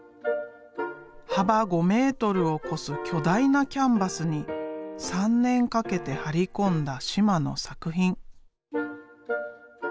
幅５メートルを超す巨大なキャンバスに３年かけて貼り込んだ嶋の作品。